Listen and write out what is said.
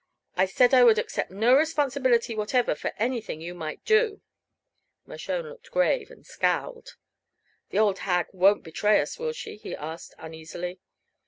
I said I would accept no responsibility whatever for anything you might do." Mershone looked grave, and scowled. "The old hag won't betray us, will she?" he asked, uneasily.